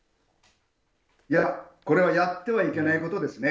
いや、これはやってはいけないことですね。